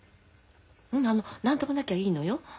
あの何でもなきゃいいのよ。